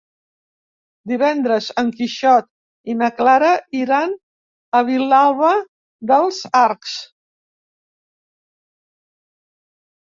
Divendres en Quixot i na Clara iran a Vilalba dels Arcs.